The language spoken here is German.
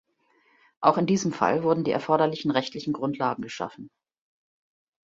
Auch in diesem Fall wurden die erforderlichen rechtlichen Grundlagen geschaffen.